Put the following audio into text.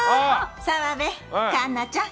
澤部佳奈ちゃん。